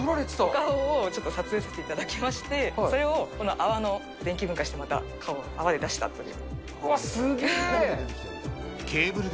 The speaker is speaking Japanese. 顔をちょっと撮影させていただきまして、それを、この泡を電気分解して、また泡で出したという。